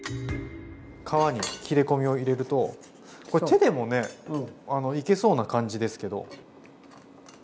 皮に切れ込みを入れるとこれ手でもねいけそうな感じですけど。